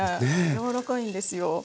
やわらかいんですよ。